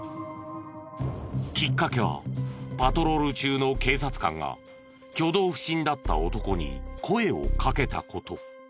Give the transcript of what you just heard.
きっかけはパトロール中の警察官が挙動不審だった男に声をかけた事。